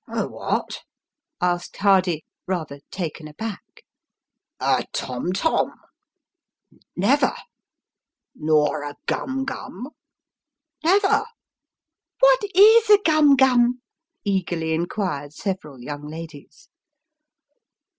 " A what ?" asked Hardy, rather taken aback. " A tom tom." " Never !"" Nor a gum gum ?"" Never !"" What is a gum gum ?" eagerly inquired several young ladies.